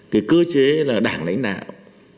cái cư chế là đảng lãnh đạo